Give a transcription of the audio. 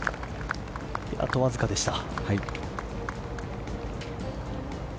あとわずかでした。